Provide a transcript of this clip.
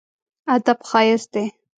ادب ښايست دی.